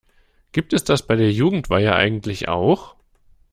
Gibt es das bei der Jugendweihe eigentlich auch?